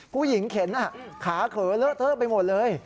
ผู้หญิงเข็นขาเขินเลอะเทอะไปหมดเลย